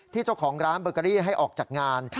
ที่เจ้าของร้านเบอร์กาลิให้ออกจากงาน